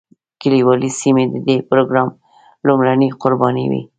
کلیوالي سیمې د دې پروګرام لومړنۍ قربانۍ وې.